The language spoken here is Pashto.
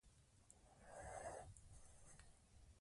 لوستې میندې د ماشومانو د جامو بدلون پر وخت کوي.